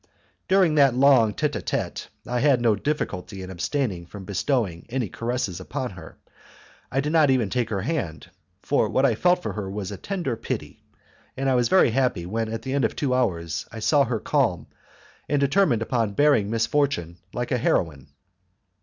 During that long tete a tete I had no difficulty in abstaining from bestowing any caresses upon her; I did not even take her hand, for what I felt for her was a tender pity; and I was very happy when at the end of two hours I saw her calm and determined upon bearing misfortune like a heroine.